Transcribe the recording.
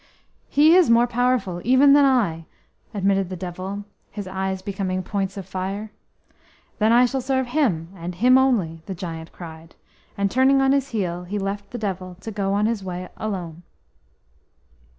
"He is more powerful even than I!" admitted the Devil, his eyes becoming points of fire. "Then I shall serve Him, and Him only," the giant cried, and, turning on his heel, he left the Devil to go on his way alone.